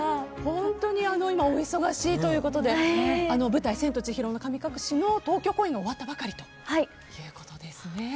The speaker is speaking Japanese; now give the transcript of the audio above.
本当に今お忙しいということで舞台「千と千尋の神隠し」の東京公演が終わったばかりということですね。